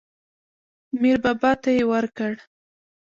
میر بابا ته یې ورکړ.